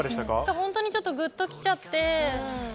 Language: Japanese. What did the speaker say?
本当にちょっとグッと来ちゃって。